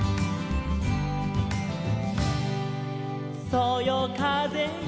「そよかぜよ